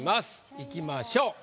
いきましょう。